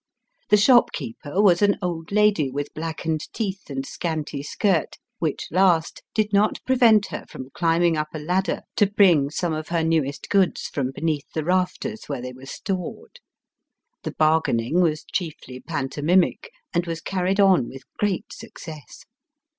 The shop keeper was an old lady with blackened teeth and scanty skirt, which last did not prevent her from climbing up a ladder to bring some of her newest goods from beneath the rafters where they were stored. The bargaining was chiefly pantomimic, and was carried on with great success.